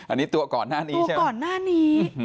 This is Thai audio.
อันนี้ตัวก่อนหน้านี้ใช่ไหมก่อนหน้านี้